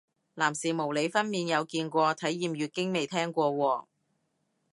男士模擬分娩有見過，體驗月經未聽過喎